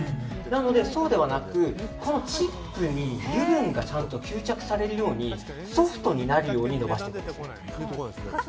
なので、そうではなくこのチップに油分が吸着されるようにソフトになるように伸ばしていく。